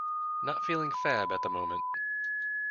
Not feeling fab at the moment.